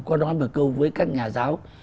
có nói một câu với các nhà giáo